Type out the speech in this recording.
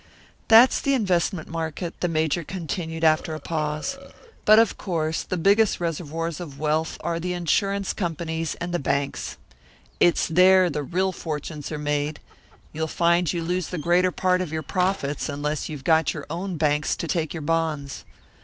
"That's the investment market," the Major continued after a pause; "but of course the biggest reservoirs of wealth are the insurance companies and the banks. It's there the real fortunes are made; you'll find you lose the greater part of your profits, unless you've got your own banks to take your bonds.